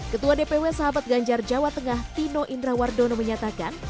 ketua dpw sahabat ganjar jawa tengah tino indrawardono menyatakan